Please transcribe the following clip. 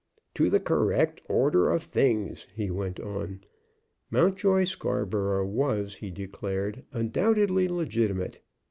"To the correct order of things," he went on. Mountjoy Scarborough was, he declared, undoubtedly legitimate.